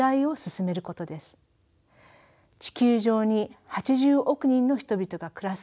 地球上に８０億人の人々が暮らす